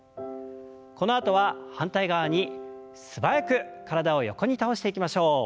このあとは反対側に素早く体を横に倒していきましょう。